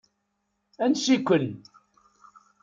Ansi-ken.